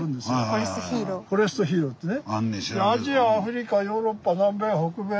フォレストヒーローってね。